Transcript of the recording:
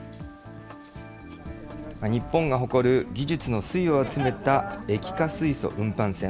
日本が誇る技術の粋を集めた液化水素運搬船。